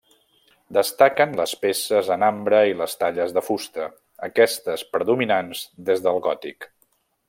Destaquen les peces en ambre i les talles de fusta, aquestes predominants des del gòtic.